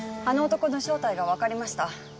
あの男の正体がわかりました。